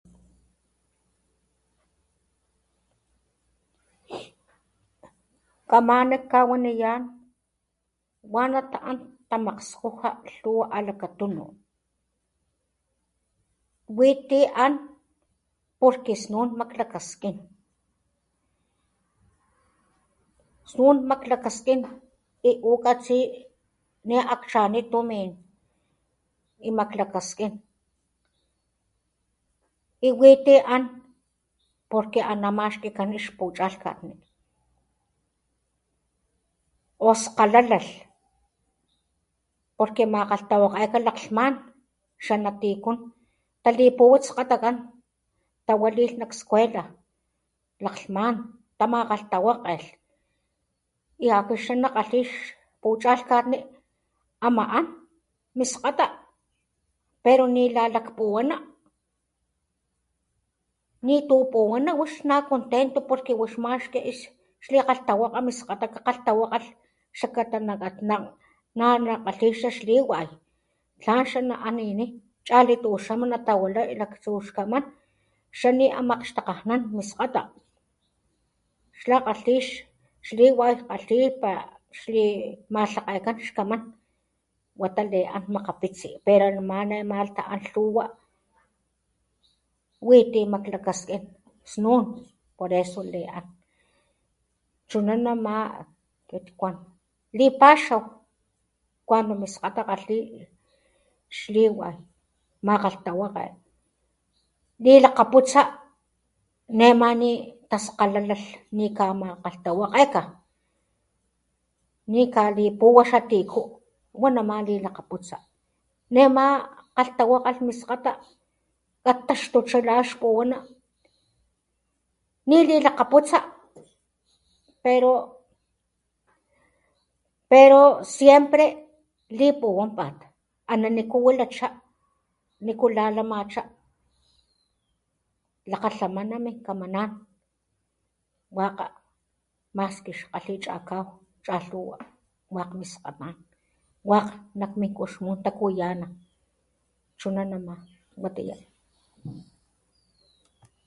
Kgama kawaniyan wana ta an tamakskuuja a la katunu wi ti an xilikana tamakglagaskin y hu kgatsi ni akchani tumin y makglakaskin y wi ti an xlikana ana maxkikan xtaskujut o skalalal ama makaltwakeka laklman xa naticun talipuhua iskgatakgan tawalil nak puxkalanankan laklman tamakaltawakel y axni na kgalhi xpuchalkgani ama an minskgata pala ni lakpuhuana ni tu puwana wix na paxawapat wix maxki li axkalala xkata na kgalhi xliwai tlan na anini chalituxama natawila laxtsuxkaman xla ni ama akxtakajnan minskgata xla kgalhi xliwai malhakgegan xkaman wata le an makappitsi ama ne ma tahal lhuwa wi ti makglakgaskin wa ma lialh chunanama akit kuan lipaxao akxni minskgata kgalhi xliwai makgaltawekge lilakgapusta nema ni taskalalalh ni ka makgaltawakgekga ni ka lipuwa xa tiku wa nama lilakgaputsa nema kaltawakgal minskgata tataxtucha la xlakpuwana nili lakgaputsa snun lipuwampat ana nikuwilacha, nikulalamacha lakgalhamana min kamanan mas kgalhia cha kao chalhuwa wak nak min kuxmun takuyana chunanama watiya.